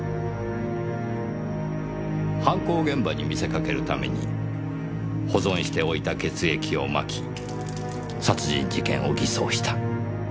犯行現場に見せかけるために保存しておいた血液を撒き殺人事件を偽装した。